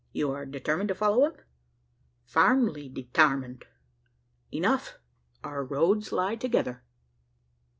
"You are determined to follow him?" "Firmly detarmined!" "Enough! Our roads lie together!"